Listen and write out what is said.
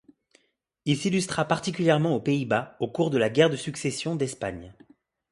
Il s'illustra particulièrement aux Pays-Bas au cours de la guerre de succession d'Espagne.